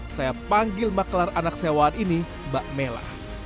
saya panggil maklar anak sewaan ini mbak mela